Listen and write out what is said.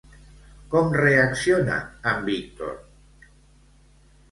Com reacciona en Víctor?